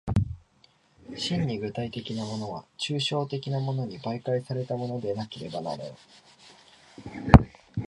真に具体的なものは抽象的なものに媒介されたものでなければならぬ。